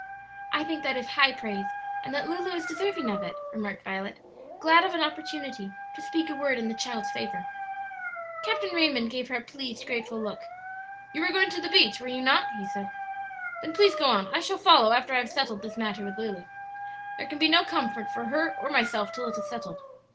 "I think that is high praise, and that Lulu is deserving of it," remarked Violet, glad of an opportunity to speak a word in the child's favor. Captain Raymond gave her a pleased, grateful look. "You were going to the beach, were you not?" he said. "Then please go on; I shall follow after I have settled this matter with Lulu. There can be no comfort for her or myself till it is settled.